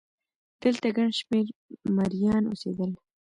دلته ګڼ شمېر مریان اوسېدل.